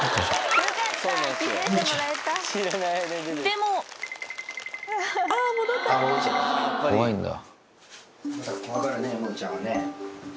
でも怖いんだ。